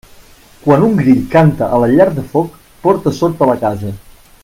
Quan un grill canta a la llar de foc, porta sort a la casa.